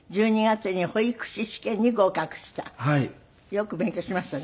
よく勉強しましたね。